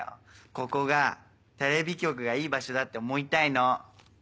ここがテレビ局がいい場所だって思いたいの。